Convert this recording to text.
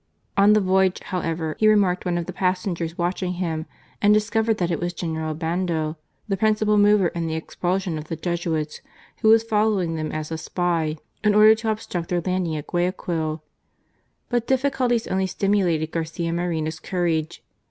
On the voyage, however, he remarked THE DEFENCE OF THE JESUITS. 3^ one of the passengers watching him and discovered that it was a General Obando, the principal mover in the expulsion of the Jesuits, who was following them as a spy in order to obstruct their landing at Guayaquil. But difficulties only stimulated Garcia Moreno's courage.